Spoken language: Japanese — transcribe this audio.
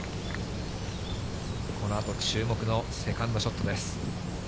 このあと注目のセカンドショットです。